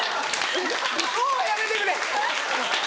もうやめてくれ。